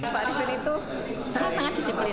pak arifin itu sangat sangat disiplin